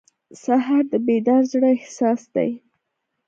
سهار د بیدار زړه احساس دی.